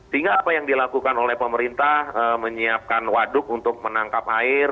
sehingga apa yang dilakukan oleh pemerintah menyiapkan waduk untuk menangkap air